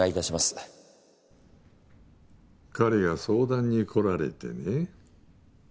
彼が相談に来られてね。